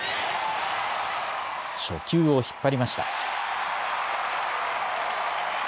初球を引っ張りました。